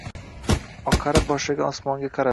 Oqara boshlagan osmonga qaradim